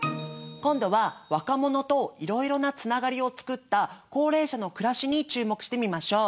今度は若者とイロイロなつながりを作った高齢者の暮らしに注目してみましょう。